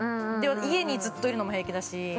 家にずっといるのも平気だし。